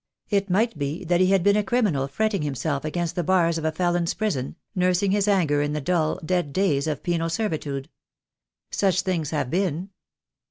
It might be that he had been a criminal fretting himself against the bars of a felon's prison, nursing his anger in the dull, dead days of penal servitude. Such things have been.